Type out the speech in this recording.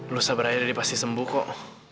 lo sabar aja dia pasti sembuh kok